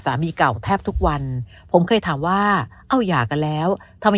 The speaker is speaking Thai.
สามีเก่าแทบทุกวันผมเคยถามว่าเอาหย่ากันแล้วทำไม